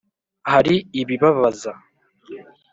hari ibibabaza,